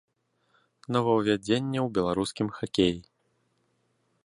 Новаўвядзенне ў беларускім хакеі.